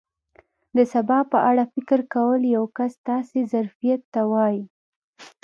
د سبا په اړه فکر کول یو کس داسې ظرفیت ته وایي.